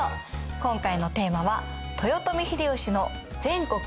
今回のテーマは「豊臣秀吉の全国統一」です。